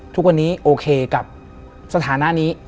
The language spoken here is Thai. ทุกวันนี้โอเคกับสถานะนี้